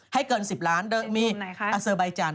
ให้เกิน๑๐ล้านโดยมีอเซอร์ใบจันท